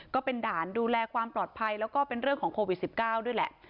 ก็เป็นด่านดูแลความปลอดภัยแล้วก็เป็นเรื่องของโควิด๑๙ด้วยแหละ